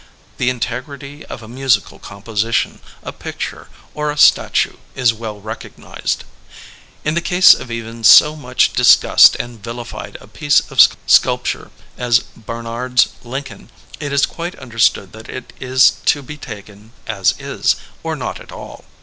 The in tegrity of a musical composition, a picture, or a statue is well recognized. In the case of even so much discussed and villified a piece of sculpture as Bar nard's Lincoln, it is quite understood that it is to be taken ''as is," or not at all.